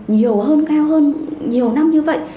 nhiều hơn cao hơn nhiều năm như vậy